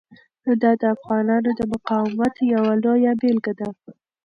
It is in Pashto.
دا د افغانانو د مقاومت یوه لویه بیلګه ده.